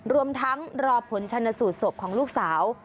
รวมทั้งรอผลชนสูตรศพของลูกสาว